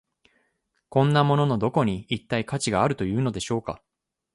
こんなもののどこに、一体価値があるというのでしょうか。